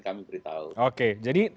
kami beritahu oke jadi